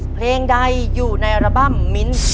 เพลงใดอยู่ในอัลบั้มมิ้น